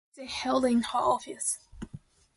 Which they held in her office.